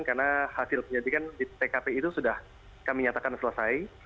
karena hasil penjajikan di tkp itu sudah kami nyatakan selesai